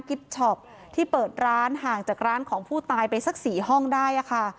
ช็อปที่เปิดร้านห่างจากร้านของผู้ตายไปสัก๔ห้องได้ค่ะ